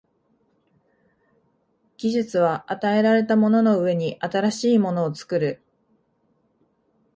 技術は与えられたものの上に新しいものを作る。